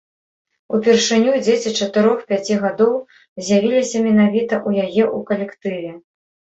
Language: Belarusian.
Упершыню дзеці чатырох-пяці гадоў з'явіліся менавіта ў яе ў калектыве.